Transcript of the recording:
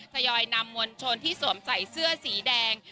ทยอยนำมวลชนที่สวมใส่เสื้อสีแดง